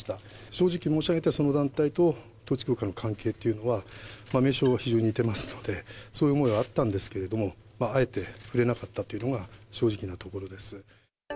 正直申し上げて、その団体と統一教会の関係っていうのは、名称は非常に似てますので、そういう思いはあったんですけども、あえて触れなかったというのが正直なところです。